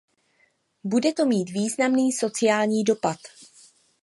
Bude to mít významný sociální dopad.